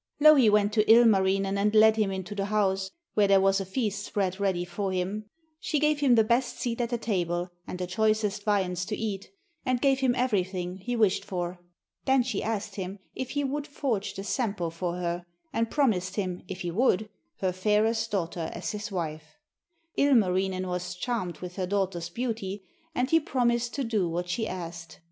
Louhi went to Ilmarinen and led him into the house, where there was a feast spread ready for him. She gave him the best seat at the table, and the choicest viands to eat, and gave him everything he wished for. Then she asked him if he would forge the Sampo for her, and promised him, if he would, her fairest daughter as his wife. Ilmarinen was charmed with her daughter's beauty, and he promised to do what she asked.